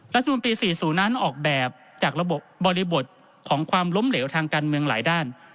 รัฐมนุนปี๔๐นั้นออกแบบจากระบบบริบทของความล้มเหลวทางการเมืองหลายด้าน